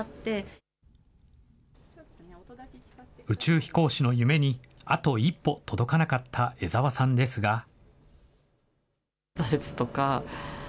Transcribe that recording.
宇宙飛行士の夢にあと一歩届かなかった江澤さんですが。